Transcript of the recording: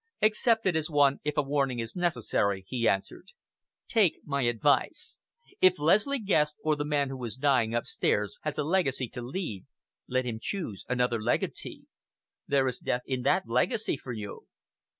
"Accept it as one, if a warning is necessary," he answered. "Take my advice. If Leslie Guest, or the man who is dying upstairs, has a legacy to leave, let him choose another legatee! There is death in that legacy for you!"